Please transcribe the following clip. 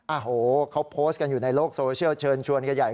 โอ้โหเขาโพสต์กันอยู่ในโลกโซเชียลเชิญชวนกันใหญ่